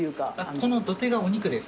この土手がお肉です。